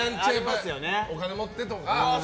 お金持ってとか。